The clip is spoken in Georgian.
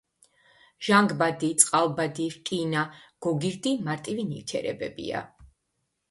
ჟანგბადი, წყალბადი, რკინა, გოგირდი მარტივი ნივთიერებებია.